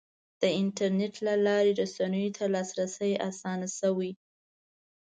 د انټرنیټ له لارې رسنیو ته لاسرسی اسان شوی.